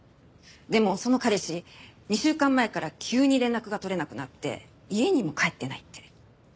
でもその彼氏２週間前から急に連絡が取れなくなって家にも帰ってないって。